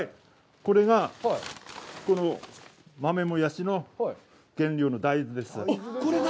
これがこの豆もやしの原料の大豆です。